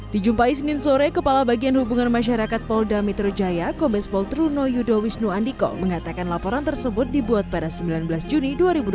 dijumpai senin sore kepala bagian hubungan masyarakat polda metro jaya kombes pol truno yudo wisnu andiko mengatakan laporan tersebut dibuat pada sembilan belas juni dua ribu dua puluh